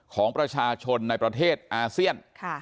ของประชาชนในประเทศอาเซียน